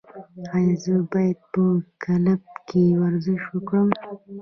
ایا زه باید په کلب کې ورزش وکړم؟